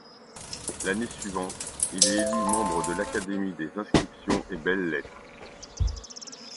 L'année suivante, il est élu membre de l'Académie des inscriptions et belles-lettres.